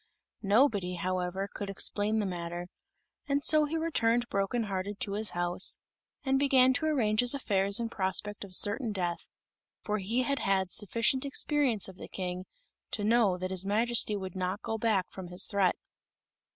Nobody, however, could explain the matter; and so he returned broken hearted to his house, and began to arrange his affairs in prospect of certain death, for he had had sufficient experience of the King to know that his Majesty would not go back from his threat.